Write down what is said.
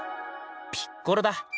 ピッコロだ。